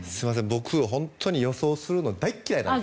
僕、本当に予想するの大嫌いなんです。